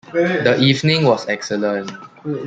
The evening was excellent.